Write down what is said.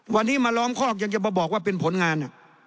วันนี้มาล้อมคอกยังจะมาบอกว่าเป็นผลงาน